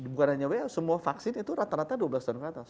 bukan hanya who semua vaksin itu rata rata dua belas tahun ke atas